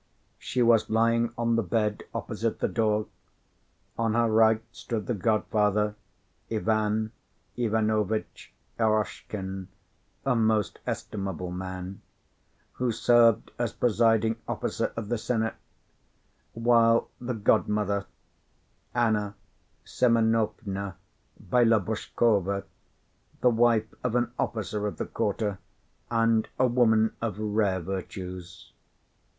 She was lying on the bed opposite the door; on her right stood the godfather, Ivan Ivanovitch Eroshkin, a most estimable man, who served as presiding officer of the senate, while the godmother, Anna Semenovna Byelobrushkova, the wife of an officer of the quarter, and a woman of rare virtues.